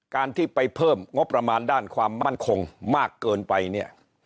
การที่ไปเพิ่มงบประมาณด้านความมั่นคงมากเกินไปเนี่ย